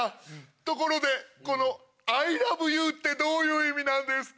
ところでこの「愛羅武勇」ってどういう意味なんですか？